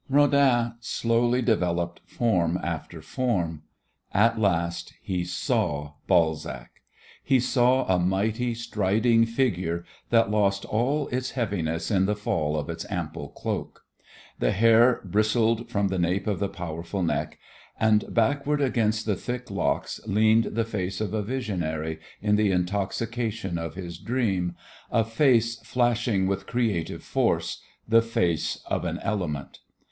Rodin slowly developed form after form. At last he saw Balzac. He saw a mighty, striding figure that lost all its heaviness in the fall of its ample cloak. The hair brisded from the nape of the powerful neck. And backward against the thick locks leaned the face of a visionary in the intoxication of his dream, a face flashing with creative force: the face of an element.